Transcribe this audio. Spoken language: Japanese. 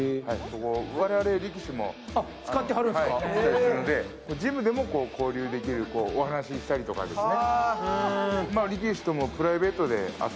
我々力士も行ったりするんで、ジムでも交流できる、お話したりですとかね。